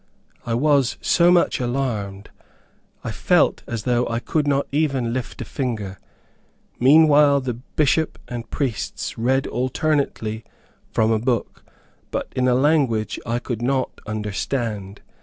I was so much alarmed, I felt as though I could not even lift a finger. Meantime the Bishop and priests read alternately from a book, but in a language I could not understand.